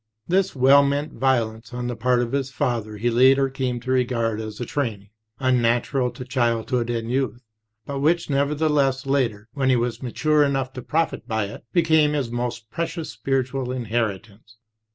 This "well meant violence" on the part of his father he later came to regard as a training, unnatural to childhood and youth, but which never theless later, when he was mature enough to profit by it, became his most precious spiritual inheritance.